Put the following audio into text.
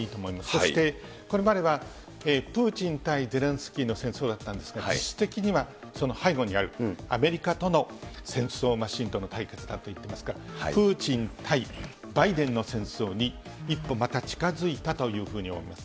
そしてこれまでは、プーチン対ゼレンスキーの戦争だったんですが、実質的には、その背後にあるアメリカとの戦争の対決だと言ってますから、プーチン対バイデンの戦争に、一歩また近づいたというふうに思います。